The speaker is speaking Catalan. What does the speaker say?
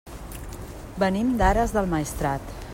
Venim d'Ares del Maestrat.